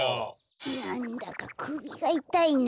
なんだかくびがいたいな。